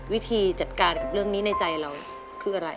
วิธีจัดการกับเรื่องนี้ในใจเราคืออะไร